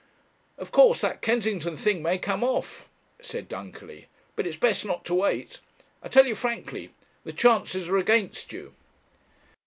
"Of course that Kensington thing may come off," said Dunkerley, "but it's best not to wait. I tell you frankly the chances are against you."